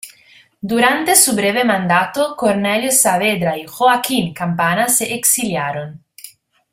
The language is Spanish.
Durante su breve mandato, Cornelio Saavedra y Joaquín Campana se exiliaron.